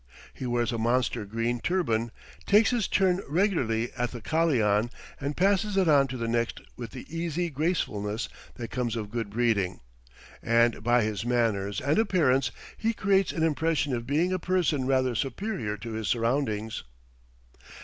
He wears a monster green turban, takes his turn regularly at the kalian, and passes it on to the next with the easy gracefulness that comes of good breeding; and by his manners and appearance he creates an impression of being a person rather superior to his surroundings.